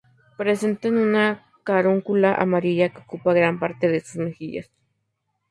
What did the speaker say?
Presentan una carúncula amarilla que ocupa gran parte de sus mejillas.